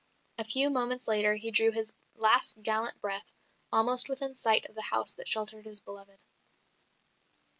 A few moments later he drew his last gallant breath, almost within sight of the house that sheltered his beloved.